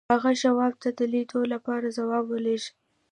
هغه شواب ته د لیدلو لپاره ځواب ولېږه